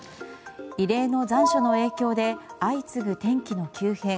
異例の残暑の影響で相次ぐ天気の急変。